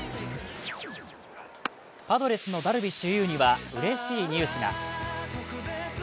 パドレスのダルビッシュ有にはうれしいニュースが。